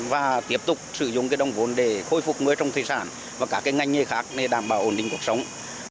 và tiếp tục sử dụng cái đồng vốn để khôi phục người trong thế sản và cả cái ngành nghề khác để đảm bảo ổn định cuộc sống